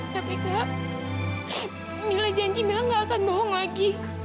tapi kak mila janji mila nggak akan bohong lagi